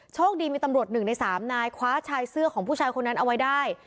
โชคดีมีตำรวจ๑ใน๓นายคว้าชายเสื้อของผู้ชายคนนั้นเอาไว้ได้